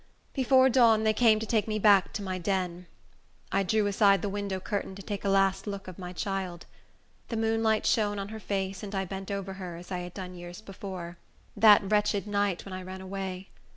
Before dawn they came to take me back to my den. I drew aside the window curtain, to take a last look of my child. The moonlight shone on her face, and I bent over her, as I had done years before, that wretched night when I ran away.